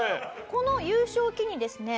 この優勝を機にですね